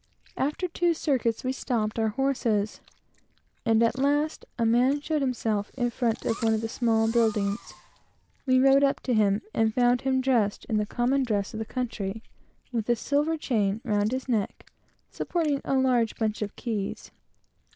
After two circuits, we stopped our horses, and saw, at last, a man show himself in front of one of the small buildings. We rode up to him, and found him dressed in the common dress of the country, with a silver chain round his neck, supporting a large bunch of keys.